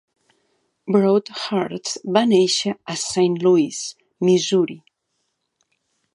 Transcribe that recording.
Broadhurst va néixer a Saint Louis, Missouri.